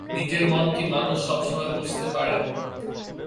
নিজের মন কি মানুষ সবসময় বুঝতে পারে বৌ?